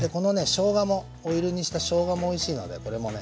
しょうがもオイル煮したしょうがもおいしいのでこれもね